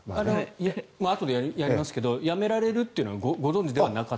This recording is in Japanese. あとでやりますけど辞められるというのはご存じではなかった？